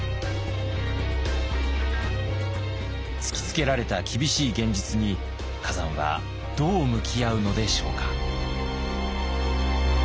突きつけられた厳しい現実に崋山はどう向き合うのでしょうか。